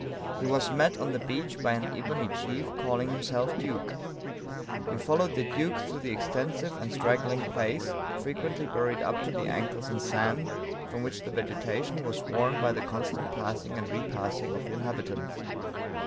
He was met on the beach by an ebony chief calling himself duke. "We followed the duke through the extensive and straggling place, frequently buried up to the ankles in sand, from which the vegetation was worn by the constant passing and repassing of the inhabitants.